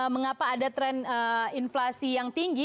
mengapa ada tren inflasi yang tinggi